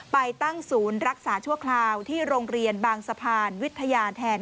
ไปตั้งศูนย์รักษาชั่วคราวที่โรงเรียนบางสะพานวิทยาแทน